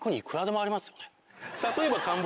例えば。